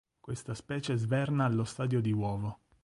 Questa specie sverna allo stadio di uovo.